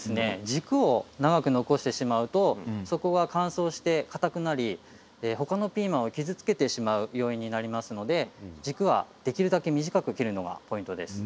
軸を長く残してしまうとそこが乾燥して、かたくなりほかのピーマンを傷つけてしまう要因になりますので軸はできるだけ短く切るのがポイントです。